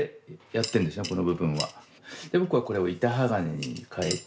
僕はこれを板鋼に変えて。